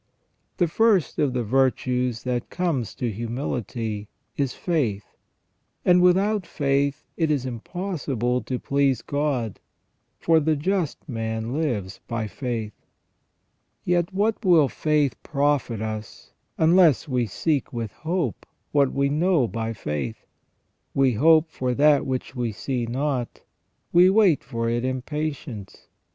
The first of the virtues that comes to humility is faith, and " without faith it is impossible to please God," for " the just man lives by faith ". Yet what will faith profit us unless we seek with hope what we know by faith ?" We hope for that which we see not, we wait for it in patience."